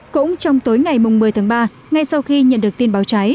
cũng trong tối ngày một mươi tháng ba ngay sau khi nhận được tin báo cháy